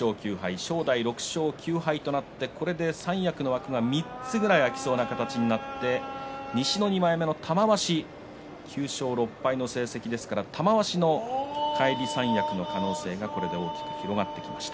正代、６勝９敗となってこれで三役の枠が３つぐらい空きそうな形となって西の２枚目の玉鷲９勝６敗の成績ですから玉鷲の返り三役の可能性がこれで大きく広がってきました。